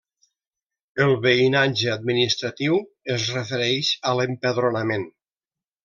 El veïnatge administratiu es refereix a l'empadronament.